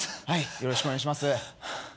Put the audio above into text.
よろしくお願いします。